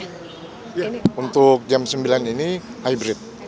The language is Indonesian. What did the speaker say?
untuk jam sembilan ini hybrid